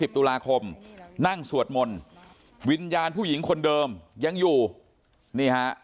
ตุลาคมนั่งสวดมนต์วิญญาณผู้หญิงคนเดิมยังอยู่นี่ฮะ